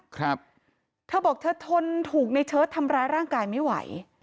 ครับเธอบอกเธอทนถูกในเชิดทำร้ายร่างกายไม่ไหว